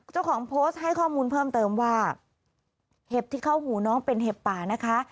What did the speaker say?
เจ้าของโพสต์ให้ข้อมูลเพิ่มเติมว่าเห็บที่เข้าหูน้องเป็นเห็บป่านะคะ